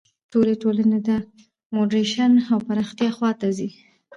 ټولې ټولنې د موډرنیزېشن او پراختیا خوا ته ځي.